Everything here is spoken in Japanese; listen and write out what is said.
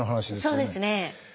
そうですね。